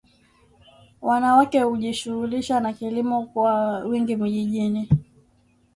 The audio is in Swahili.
wanawake hujishughulisha na kilimo kwa wingi vijijini